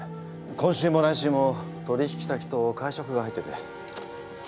今週も来週も取引先と会食が入ってて。